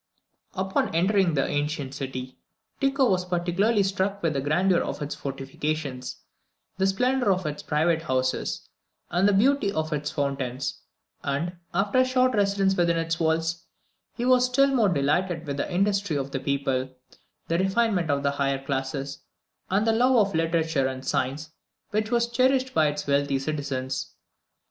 Upon entering this ancient city, Tycho was particularly struck with the grandeur of its fortifications, the splendour of its private houses, and the beauty of its fountains; and, after a short residence within its walls, he was still more delighted with the industry of the people, the refinement of the higher classes, and the love of literature and science which was cherished by its wealthy citizens.